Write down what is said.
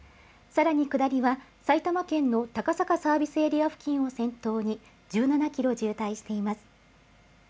さらに下りは、埼玉県の高坂サービスエリア付近を先頭に１７キロ渋滞しています。